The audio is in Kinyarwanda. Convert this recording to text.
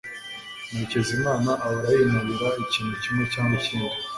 Murekezimana ahora yinubira ikintu kimwe cyangwa ikindi